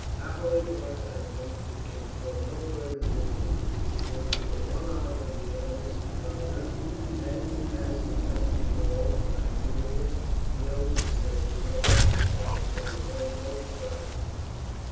Happily for us, I think, it can flow no farther this way; there is but one island beyond this to conquer, and then, as in Western Gaul and Iberia, the ocean says to Rome, 'Thou shalt go no farther.'